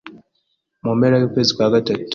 Mu mpera y'ukwezi kwa gatatu